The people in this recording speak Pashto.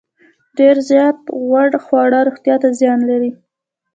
ډیر زیات غوړ خواړه روغتیا ته زیان لري.